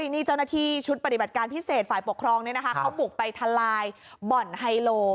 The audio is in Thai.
นี่เจ้าหน้าที่ชุดปฏิบัติการพิเศษฝ่ายปกครองเขาบุกไปทลายบ่อนไฮโล